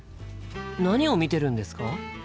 何を見てるんですか？